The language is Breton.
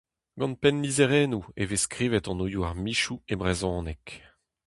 Gant pennlizherennoù e vez skrivet anvioù ar mizioù e brezhoneg.